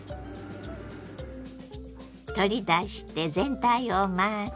取り出して全体を混ぜ。